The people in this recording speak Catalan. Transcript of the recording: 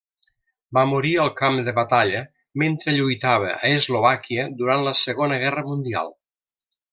Va morir al camp de batalla mentre lluitava a Eslovàquia durant la Segona Guerra Mundial.